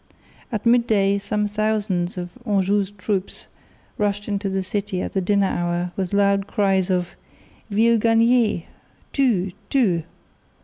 At midday some thousands of Anjou's troops rushed into the city at the dinner hour with loud cries of "Ville gagnée! Tue! Tue!"